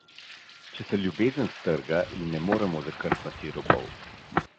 Če se ljubezen strga, ji ne moremo zakrpati robov.